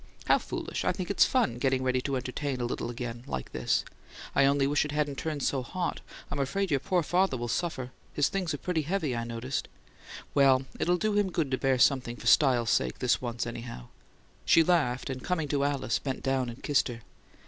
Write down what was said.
"How foolish! I think it's fun, getting ready to entertain a little again, like this. I only wish it hadn't turned so hot: I'm afraid your poor father'll suffer his things are pretty heavy, I noticed. Well, it'll do him good to bear something for style's sake this once, anyhow!" She laughed, and coming to Alice, bent down and kissed her.